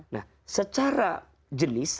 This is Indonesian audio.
nah secara jenis